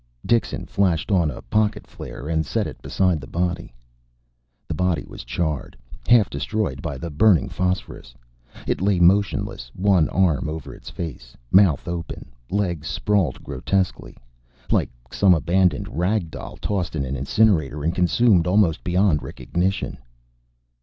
Dixon flashed on a pocket flare and set it beside the body. The body was charred, half destroyed by the burning phosphorus. It lay motionless, one arm over its face, mouth open, legs sprawled grotesquely. Like some abandoned rag doll, tossed in an incinerator and consumed almost beyond recognition.